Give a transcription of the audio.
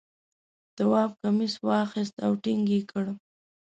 تواب کمیس واخیست او ټینګ یې کړ.